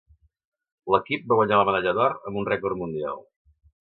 L'equip va guanyar la medalla d'or amb un rècord mundial.